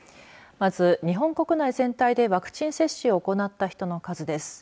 まず、日本国内全体でワクチン接種を行った人の数です。